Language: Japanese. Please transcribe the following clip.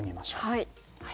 はい。